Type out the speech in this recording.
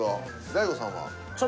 大悟さんは？